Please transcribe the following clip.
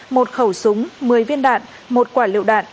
một khẩu súng một mươi viên đạn một quả liệu đạn